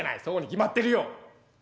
「そうに決まってるよ。